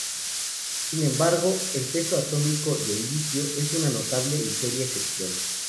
Sin embargo, el peso atómico del litio es una notable y seria excepción.